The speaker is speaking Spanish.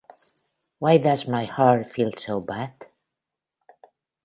Why Does My Heart Feel So Bad?